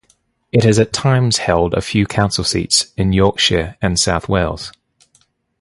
It has at times held a few council seats in Yorkshire and South Wales.